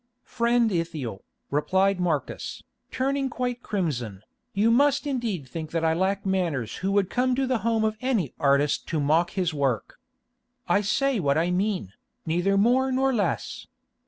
"Friend Ithiel," replied Marcus, turning quite crimson, "you must indeed think that I lack manners who would come to the home of any artist to mock his work. I say what I mean, neither more nor less.